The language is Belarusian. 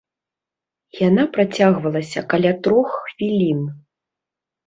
Яна працягвалася каля трох хвілін.